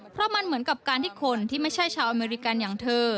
เพราะมันเหมือนกับการที่คนที่ไม่ใช่ชาวอเมริกันอย่างเธอ